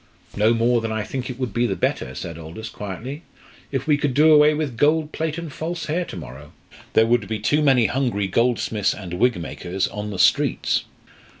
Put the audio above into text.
"No more than I think it would be the better," said Aldous, quietly, "if we could do away with gold plate and false hair to morrow. There would be too many hungry goldsmiths and wig makers on the streets."